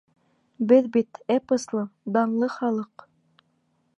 Беҙ бит — эпослы, данлы халыҡ!